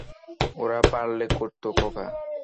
ওরা পারলে করতো, খোকা!